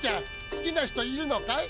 好きな人いるのかい？